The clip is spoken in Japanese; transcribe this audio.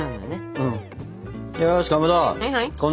うん？